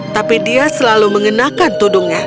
tapi dia selalu mengenakan tudungnya